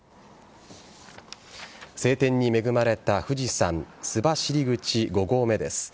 晴天に恵まれた富士山・須走口５合目です。